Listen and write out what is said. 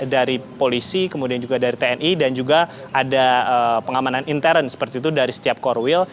dari polisi kemudian juga dari tni dan juga ada pengamanan intern seperti itu dari setiap core will